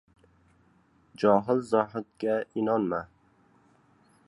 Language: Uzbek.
— Johil zohidga inonma.